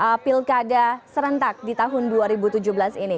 di pilkada serentak di tahun dua ribu tujuh belas ini